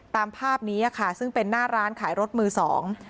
ตามภาพนี้อ่ะค่ะซึ่งเป็นหน้าร้านขายรถมือสอง